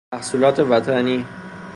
محصولات وطنی